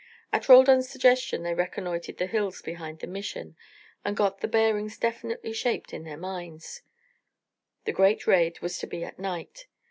At Roldan's suggestion they reconnoitred the hills behind the Mission and got the bearings definitely shaped in their minds; the great raid was to be at night.